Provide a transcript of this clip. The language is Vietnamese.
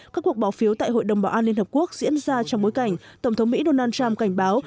các cuộc bỏ phiếu tại hội đồng bảo an liên hợp quốc diễn ra trong bối cảnh tổng thống mỹ donald trump cảnh báo